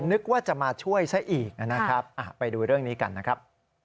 นึกว่าจะมาช่วยซะอีกนะครับไปดูเรื่องนี้กันนะครับ